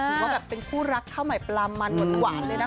ถือว่าแบบเป็นคู่ลักเข้าใหม่ปรามันหมดหวานเลยนะ